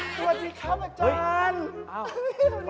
สวัสดีครับอาจารย์